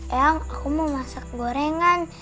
emang aku mau masak gorengan